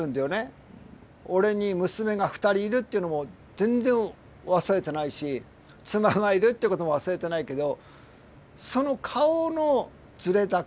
俺に娘が２人いるっていうのも全然忘れてないし妻がいるってことも忘れてないけどその顔のズレだけなんだよね。